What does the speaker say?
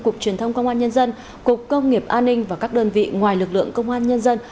cục truyền thông công an nhân dân cục công nghiệp an ninh và các đơn vị ngoài lực lượng công an nhân dân